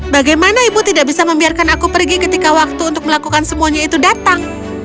bagaimana ibu tidak bisa membiarkan aku pergi ketika waktu untuk melakukan semuanya itu datang